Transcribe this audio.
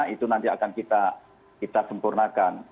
itu nanti akan kita sempurnakan